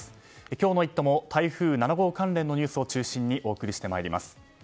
今日の「イット！」も台風７号関連のニュースを中心にお送りしてまいります。